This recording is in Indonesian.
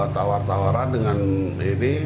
tawar tawaran dengan ini